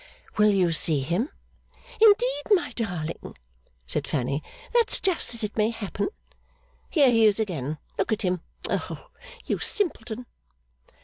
'Will you see him?' 'Indeed, my darling,' said Fanny, 'that's just as it may happen. Here he is again. Look at him. O, you simpleton!